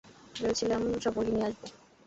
ভেবেছিলাম, সব মুরগি নিয়ে আসবো।